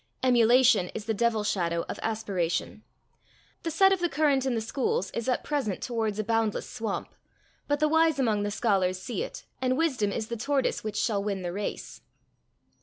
Emulation is the devil shadow of aspiration. The set of the current in the schools is at present towards a boundless swamp, but the wise among the scholars see it, and wisdom is the tortoise which shall win the race.